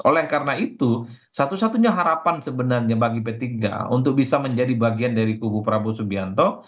oleh karena itu satu satunya harapan sebenarnya bagi p tiga untuk bisa menjadi bagian dari kubu prabowo subianto